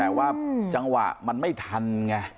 แต่ว่าจังหวะมันไม่ทันไง